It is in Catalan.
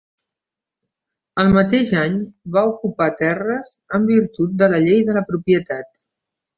El mateix any va ocupar terres en virtut de la Llei de la propietat.